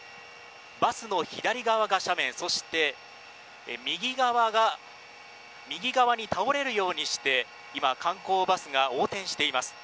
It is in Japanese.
バスの左側が斜面、そして右側に倒れるようにして観光バスが横転しています。